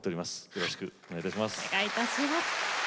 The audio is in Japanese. よろしくお願いします。